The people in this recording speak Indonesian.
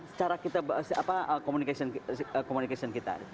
secara kita komunikasi kita